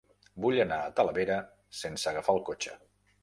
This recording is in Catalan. Vull anar a Talavera sense agafar el cotxe.